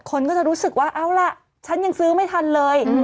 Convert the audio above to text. คนก็จะรู้สึกว่าเอาล่ะฉันยังซื้อไม่ทันเลย